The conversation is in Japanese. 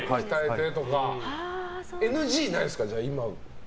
ＮＧないんですか？